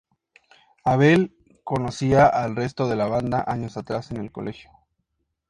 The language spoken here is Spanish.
Abel conocía al resto de la banda años atrás en el colegio.